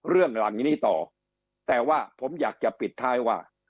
หลังนี้ต่อแต่ว่าผมอยากจะปิดท้ายว่า